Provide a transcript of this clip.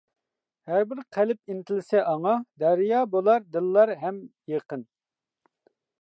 ھەربىر قەلب ئىنتىلسە ئاڭا، دەريا بولار دىللار ھەم يېقىن.